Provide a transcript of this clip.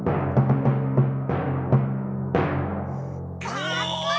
かっこいい！